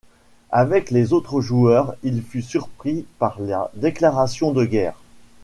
Avec les autres joueurs, il fut surpris par la déclaration de guerre.